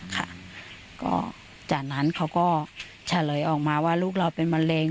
ค่ะก็จากนั้นเขาก็เฉลยออกมาว่าลูกเราเป็นมะเร็ง